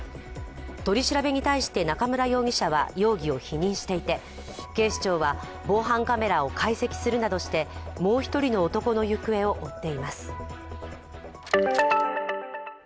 取り調べに対して中村容疑者は容疑を否認していて、警視庁は防犯カメラを解析するなどして息子が ＫＵＭＯＮ を始めた